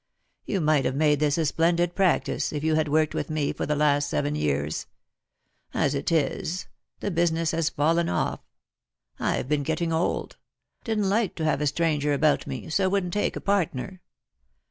"You might have made this a splendid practice, if you had worked with me for the last seven years ; as it is, the business has fallen off. I've been getting old; didn't like to have a stranger about me, so wouldn't take a partner.